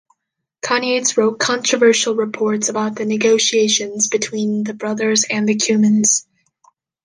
Choniates wrote controversial reports about the negotiations between the brothers and the Cumans.